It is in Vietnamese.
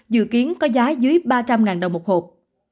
dự kiến có giá dưới ba trăm linh đồng một hộp